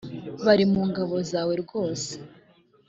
bari mu ngabo zawe rwose